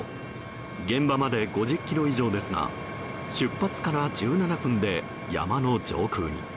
現場まで５０ｋｍ以上ですが出発から１７分で山の上空に。